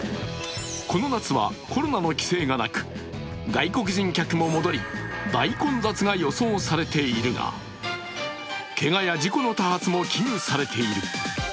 この夏はコロナの規制がなく外国人客も戻り大混雑が予想されているが、けがや事故の多発も危惧されている。